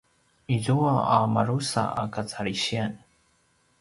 izua a madrusa a kacalisiyan